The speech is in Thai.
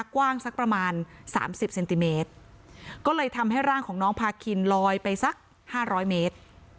กว้างสักประมาณสามสิบเซนติเมตรก็เลยทำให้ร่างของน้องพาคินลอยไปสัก๕๐๐เมตร